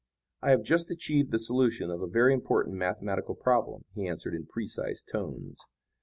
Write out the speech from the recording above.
"I have just achieved the solution of a very important mathematical problem," he answered in precise tones.